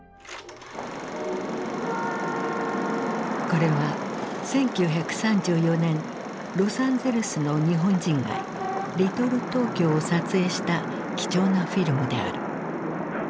これは１９３４年ロサンゼルスの日本人街リトル・トーキョーを撮影した貴重なフィルムである。